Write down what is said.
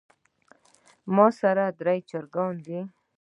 ماسره درې چرګان دي